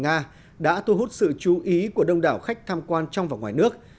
nga đã thu hút sự chú ý của đông đảo khách tham quan trong và ngoài nước